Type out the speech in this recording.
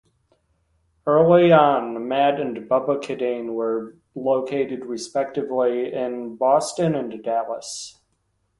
Early on Matt and Bubba Kadane were located respectively in Boston and Dallas.